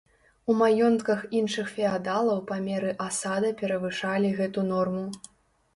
У маёнтках іншых феадалаў памеры асада перавышалі гэту норму.